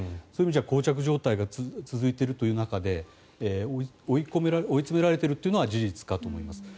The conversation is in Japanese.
そういう意味じゃ、こう着状態が続いているという中で追い詰められているのは事実かと思います。